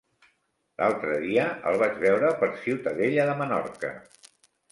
L'altre dia el vaig veure per Ciutadella de Menorca.